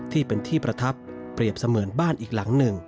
ที่เป็นที่ประทับเปรียบเสมือนบ้านอีกหลังหนึ่ง